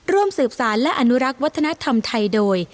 ร่วมสืบสารและอนุรักษ์วัฒนธรรมไทยโดย